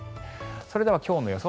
それでは今日の予想